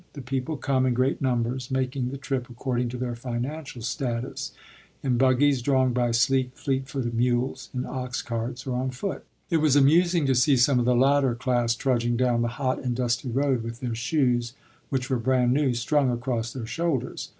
The people come in great numbers, making the trip, according to their financial status, in buggies drawn by sleek, fleet footed mules, in ox carts, or on foot. It was amusing to see some of the latter class trudging down the hot and dusty road, with their shoes, which were brand new, strung across their shoulders.